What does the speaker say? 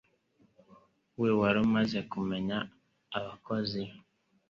We wari umaze kumenya abakozi